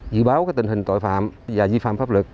dự báo tình hình tội phạm và vi phạm pháp luật